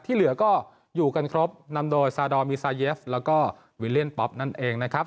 ที่เหลือก็อยู่กันครบนำโดยซาดอลมีซาเยฟแล้วก็วิลเลียนป๊อปนั่นเองนะครับ